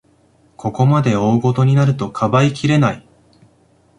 ここまで大ごとになると、かばいきれない